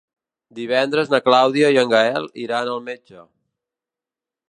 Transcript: Divendres na Clàudia i en Gaël iran al metge.